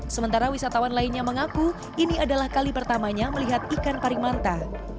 sementara wisatawan lainnya mengaku ini adalah kali pertamanya melihat ikan parimanta